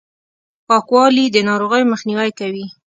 پاکوالي، د ناروغیو مخنیوی کوي!